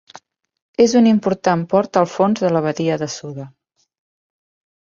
És un important port al fons de la badia de Suda.